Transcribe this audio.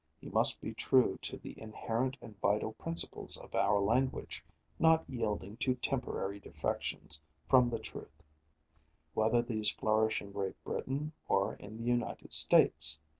He must be true to the inherent and vital principles of our language, not yielding to temporary defections from the truth, whether these flourish in Great Britain or in the United States.